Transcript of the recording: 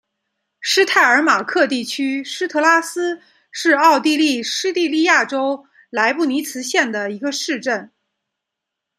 施泰尔马克地区施特拉斯是奥地利施蒂利亚州莱布尼茨县的一个市镇。